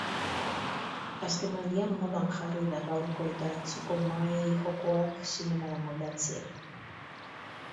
Azkenaldian modan jarri da gaurko eta atzoko mahai-jokoak zinemara moldatzea.